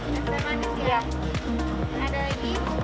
jadi enam puluh